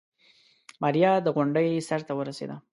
ماريا د غونډۍ سر ته ورسېده.